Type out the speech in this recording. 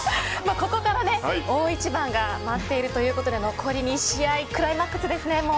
ここから大一番が待っているということで残り２試合クライマックスですね、もう。